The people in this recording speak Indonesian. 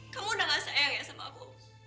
kamu udah gak sayang ya sama aku